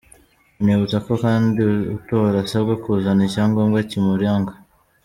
Banibutsa ko kandi utora asabwa kuzana icyangombwa kimuranga.